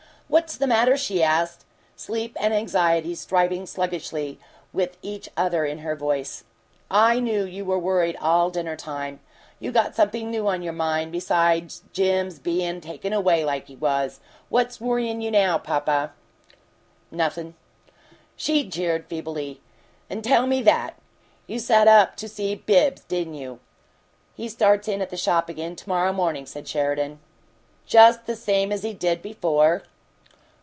"What's the matter?" she asked, sleep and anxiety striving sluggishly with each other in her voice. "I knew you were worried all dinner time. You got something new on your mind besides Jim's bein' taken away like he was. What's worryin' you now, papa?" "Nothin'." She jeered feebly. "N' tell ME that! You sat up to see Bibbs, didn't you?" "He starts in at the shop again to morrow morning," said Sheridan. "Just the same as he did before?"